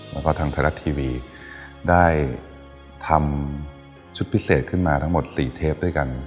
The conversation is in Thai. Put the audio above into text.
แล้วก็ทางไทยรัฐทีวีได้ทำชุดพิเศษขึ้นมาทั้งหมด๔เทปด้วยกัน